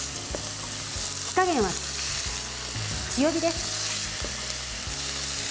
火加減は強火です。